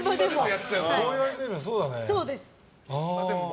そう言われてみれば、そうだね。